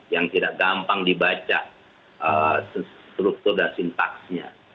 yang tidak gampang dibaca struktur dan sintaksnya